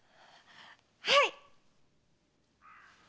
はい！